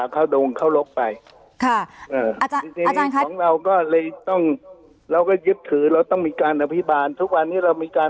อเรนนี่อาจารย์ค่ะถามอย่างนี้ค่ะ